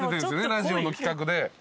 ラジオの企画で。